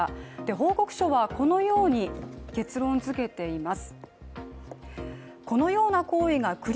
報告書はこのように結論づけています。